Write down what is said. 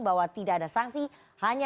bahwa tidak ada sanksi hanya